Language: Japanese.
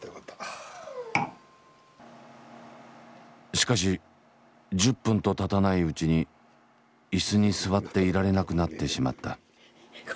しかし１０分とたたないうちに椅子に座っていられなくなってしまった。